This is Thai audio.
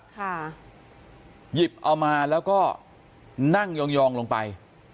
หยิบเอามาแล้วก็นั่งยองลงไป